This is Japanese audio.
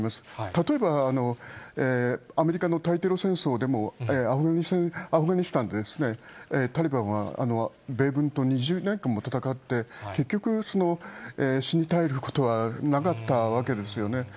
例えば、アメリカの対テロ戦争でもアフガニスタンでタリバンは米軍と２０年間も戦って、結局、その死に絶えることはなかったわけですよね。